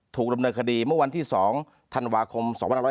ถูกดำเนินคดีเมื่อวันที่๒ธันวาคม๒๕๖๐